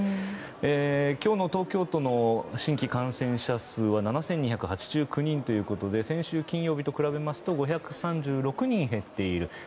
今日の東京都の新規感染者数は７２８９人ということで先週金曜日と比べますと５３６人減っている。